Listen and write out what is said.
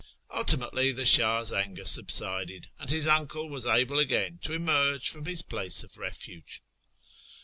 Ultimately the Shah's anger subsided, and his uncle was able again to emerge from his place of refuge.